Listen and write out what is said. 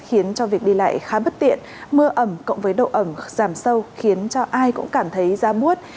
khiến cho việc đi lại khá bất tiện mưa ẩm cộng với độ ẩm giảm sâu khiến cho ai cũng cảm thấy ra muốt